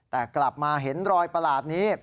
แต่กลับมาเห็นรอยประหลาดนี้